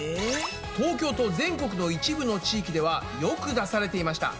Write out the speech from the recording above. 東京と全国の一部の地域ではよく出されていました。